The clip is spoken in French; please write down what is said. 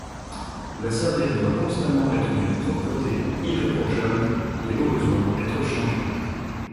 La serviette doit constamment être d'une propreté irréprochable et au besoin être changée.